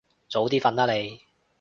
早啲瞓啦你